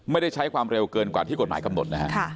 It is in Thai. ไม่ได้ใช้ความเร็วเกินกว่าที่กฎหมายกำหนดนะฮะ